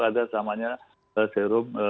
ada namanya serum